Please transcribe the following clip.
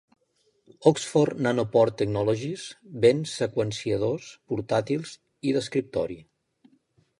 Oxford Nanopore technologies ven seqüenciadors portàtils i d'escriptori.